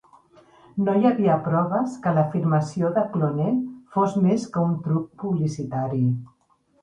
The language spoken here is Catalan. No hi havia proves que l'afirmació de Clonaid fos més que un truc publicitari.